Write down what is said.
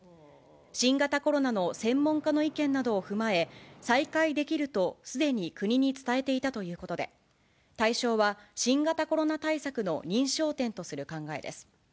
新型コロナの専門家の意見などを踏まえ、再開できるとすでに国に伝えていたということで、対象は新型コロナ対策の認証店とする考えです。